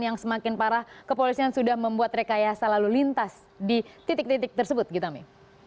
yang semakin parah kepolisian sudah membuat rekayasa lalu lintas di titik titik tersebut gitami